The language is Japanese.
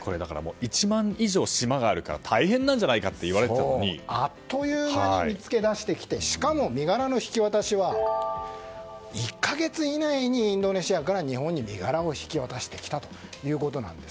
１万以上、島があるから大変なんじゃないかとあっという間に見つけ出してきてしかも、身柄の引き渡しは１か月以内にインドネシアから日本に身柄を引き渡してきたということです。